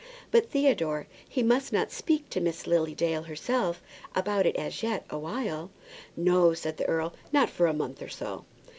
"But, Theodore, he must not speak to Miss Lilian Dale herself about it yet a while." "No," said the earl; "not for a month or so."